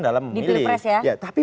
dalam memilih di pilpres ya tapi